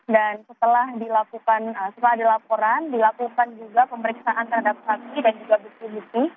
setelah dilakukan setelah ada laporan dilakukan juga pemeriksaan terhadap saksi dan juga bukti bukti